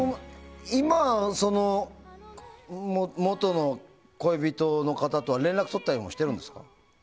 今、元の恋人の方とは連絡取ったりもしてるんですか？